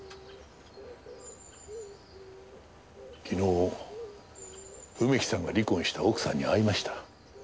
昨日梅木さんが離婚した奥さんに会いました。